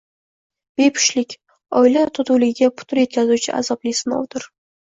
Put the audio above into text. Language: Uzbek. Bepushtlik, oila totuvligiga putur yetkazuvchi azobli sinovdir.